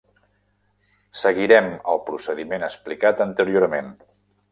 Seguirem el procediment explicat anteriorment.